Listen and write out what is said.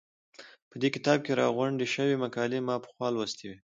په دې کتاب کې راغونډې شوې مقالې ما پخوا لوستې وې.